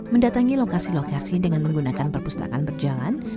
mendatangi lokasi lokasi dengan menggunakan perpustakaan berjalan